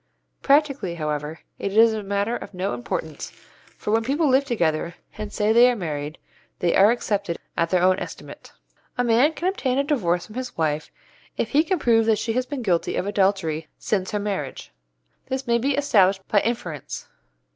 Practically, however, it is a matter of no importance, for when people live together and say they are married, they are accepted at their own estimate. A man can obtain a divorce from his wife if he can prove that she has been guilty of adultery since her marriage. This may be established by inference.